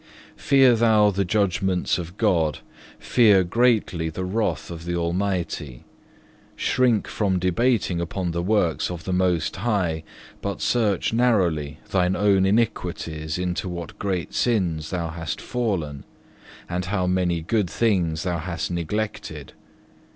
5. "Fear thou the judgments of God, fear greatly the wrath of the Almighty. Shrink from debating upon the works of the Most High, but search narrowly thine own iniquities into what great sins thou hast fallen, and how many good things thou hast neglected.